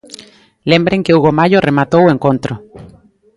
Lembren que Hugo Mallo rematou o encontro.